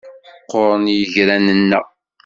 Qquren yigran-nneɣ.